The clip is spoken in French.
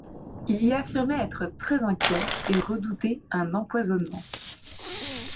Il y affirmait être très inquiet et redouter un empoisonnement.